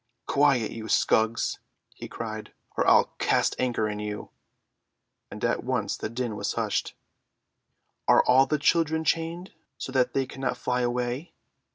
"Quiet, you scugs," he cried, "or I'll cast anchor in you;" and at once the din was hushed. "Are all the children chained, so that they cannot fly away?"